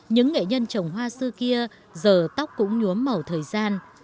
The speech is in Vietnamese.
những nghệ nhân trồng hoa xưa kia giờ tóc cũng nhuốm màu thời gian